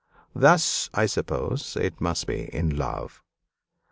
Thus, I suppose, it must be in love.